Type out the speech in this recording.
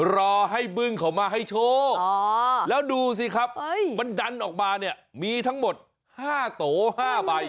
รอให้บึ้งเขามาให้โชคแล้วดูสิครับมันดันออกมาเนี่ยมีทั้งหมด๕โต๕ใบ